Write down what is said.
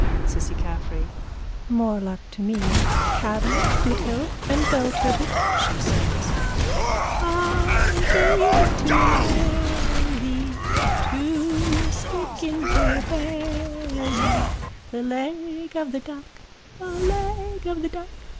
CISSY CAFFREY: More luck to me. Cavan, Cootehill and Belturbet. (She sings.) I gave it to Nelly To stick in her belly, The leg of the duck, The leg of the duck.